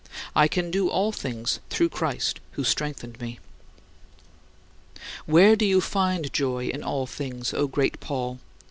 I can do all things through Christ who strengtheneth me." 40. Where do you find joy in all things, O great Paul?